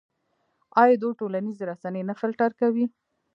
آیا دوی ټولنیزې رسنۍ نه فلټر کوي؟